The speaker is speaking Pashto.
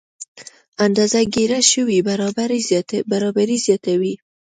اندازه ګیره شوې برابري زیاتوي.